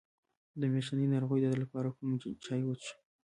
د میاشتنۍ ناروغۍ درد لپاره کوم چای وڅښم؟